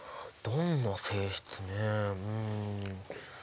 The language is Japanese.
どんな性質ねうん。